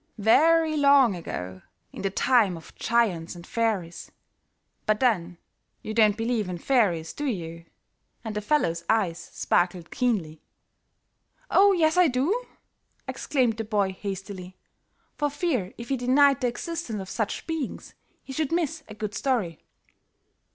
"Very long ago, in the time of giants and fairies, But then you don't believe in fairies, do you?" and the fellow's eyes sparkled keenly. "Oh, yes, I do," exclaimed the boy hastily, for fear if he denied the existence of such beings, he should miss a good story.